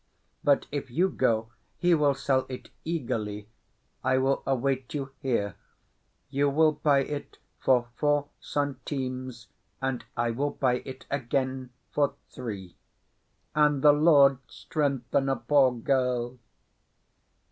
But if you go, he will sell it eagerly; I will await you here; you will buy it for four centimes, and I will buy it again for three. And the Lord strengthen a poor girl!"